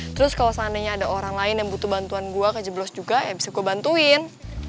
terus kalau seandainya ada orang lain yang butuh bantuan gue kejeblos juga ya bisa gue bantuin